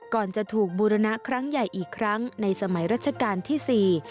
ก่อนจะถูกบูรณะครั้งใหญ่อีกครั้งในสมัยรัชกาลที่สี่